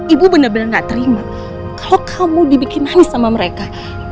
ibu bener bener gak terima kalo kamu dibikin nangis sama mereka